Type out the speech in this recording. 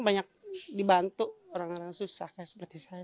banyak dibantu orang orang susah seperti saya